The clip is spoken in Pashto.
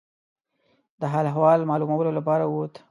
د حال احوال معلومولو لپاره ووت.